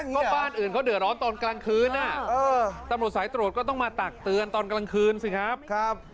ก็บ้านอื่นเขาเดือดร้อนตอนกลางคืนตำรวจสายตรวจก็ต้องมาตักเตือนตอนกลางคืนสิครับ